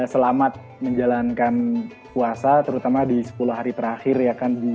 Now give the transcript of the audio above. selamat menjalankan puasa terutama di sepuluh hari terakhir ya kan